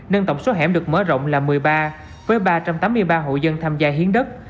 nâng tổng số hẻm được mở rộng là một mươi ba với ba trăm tám mươi ba hộ dân tham gia hiến đất